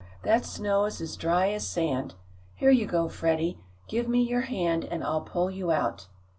That snow is as dry as sand. Here you go, Freddie. Give me your hand and I'll pull you out."